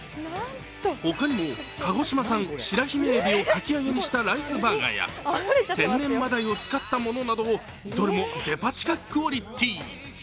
他にも、鹿児島産白姫えびをかき揚げにしたライスバーガーや天然真鯛を使ったものなど、どれもデパ地下クオリティー。